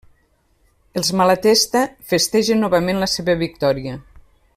Els Malatesta festegen novament la seva victòria.